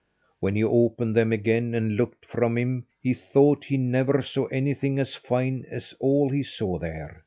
When he opened them again and looked from him, he thought he never saw anything as fine as all he saw there.